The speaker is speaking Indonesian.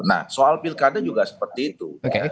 nah soal pilkada juga seperti itu